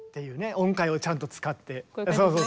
音階をちゃんと使って。